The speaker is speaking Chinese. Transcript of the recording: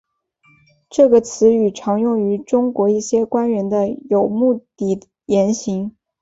这个词语常用于中国一些官员的有目的言行。